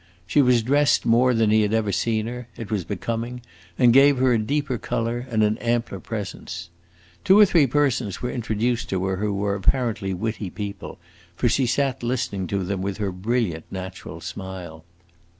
She was dressed more than he had ever seen her; it was becoming, and gave her a deeper color and an ampler presence. Two or three persons were introduced to her who were apparently witty people, for she sat listening to them with her brilliant natural smile.